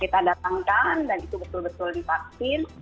kita datangkan dan itu betul betul divaksin